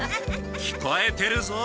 聞こえてるぞ。